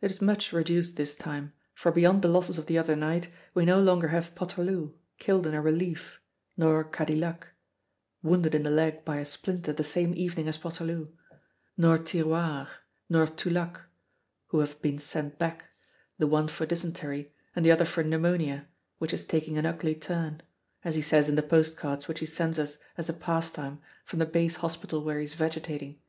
It is much reduced this time, for beyond the losses of the other night, we no longer have Poterloo, killed in a relief, nor Cadilhac, wounded in the leg by a splinter the same evening as Poterloo, nor Tirioir nor Tulacque who have been sent back, the one for dysentery, and the other for pneumonia, which is taking an ugly turn as he says in the postcards which he sends us as a pastime from the base hospital where he is vegetating.